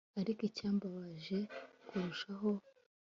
ariko icyambabaje kurushaho